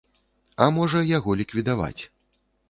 А, можа, яго ліквідаваць.